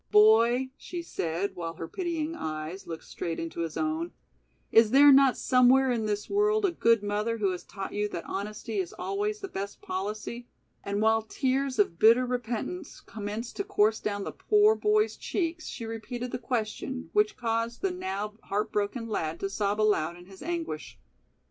"Boy," she said, while her pitying eyes looked straight into his own, "is there not somewhere in this world a good mother who has taught you that honesty is always the best policy?" And while tears of bitter repentance commenced to course down the poor boy's cheeks she repeated the question, which caused the now heart broken lad to sob aloud in his anguish.